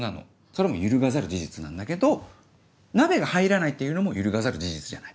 それはもう揺るがざる事実なんだけど鍋が入らないっていうのも揺るがざる事実じゃない。